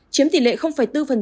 chiếm tỷ lệ bốn